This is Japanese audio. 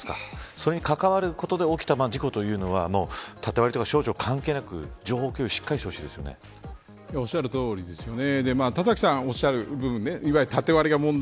それに関わることで起きた事故というのは縦割りとか、省庁関係なく情報共有をしっかりおっしゃるとおりですよね。